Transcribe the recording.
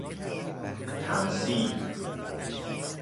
تمثیل